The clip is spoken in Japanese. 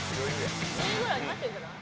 １０位ぐらいに入ってんじゃない？